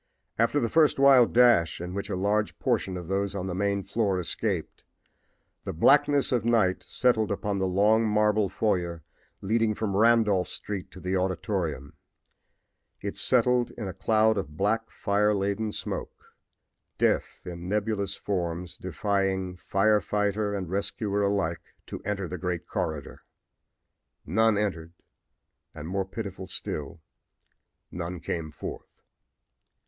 After the first wild dash, in which a large portion of those on the main floor escaped, the blackness of night settled upon the long marble foyer leading from Randolph street to the auditorium. It settled in a cloud of black, fire laden smoke death in nebulous forms defying fire fighter and rescuer alike to enter the great corridor. None entered, and, more pitiful still, none came forth.